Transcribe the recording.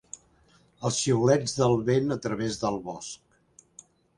Els xiulets del vent a través del bosc.